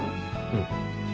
うん。